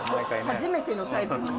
「初めてのタイプの」